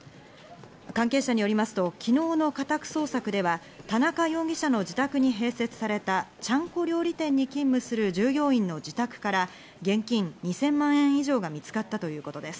関係者によりますと昨日の家宅捜索では、田中容疑者の自宅に併設されたちゃんこ料理店に勤務する従業員の自宅から現金２０００万円以上が見つかったということです。